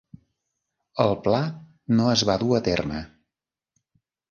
El pla no es va dur a terme.